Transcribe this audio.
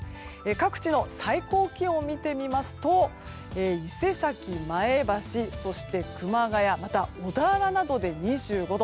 各地の最高気温を見てみますと伊勢崎、前橋、そして熊谷また小田原などで２５度。